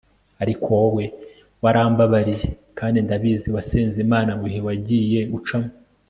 ariko wowe warambabariye kandi ndabizi wasenze Imana mu bihe wagiye ucamo